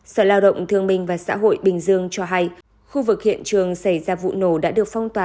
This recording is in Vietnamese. sở lao động thương minh và xã hội bình dương cho hay khu vực hiện trường xảy ra vụ nổ đã được phong tỏa